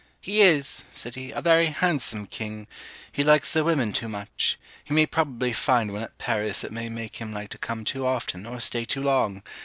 'He is,' said he, 'a very handsome king; he likes the women too much. He may probably find one at Paris that may make him like to come too often, or stay too long.